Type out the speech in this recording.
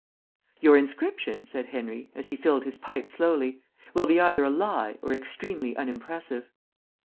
"Your inscription," said Henry, as he filled his pipe slowly, "will be either a lie or extremely unimpressive."